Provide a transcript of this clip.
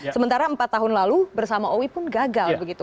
sementara empat tahun lalu bersama owi pun gagal begitu